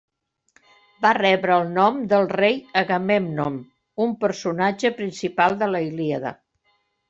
Va rebre el nom del Rei Agamèmnon, un personatge principal de la Ilíada.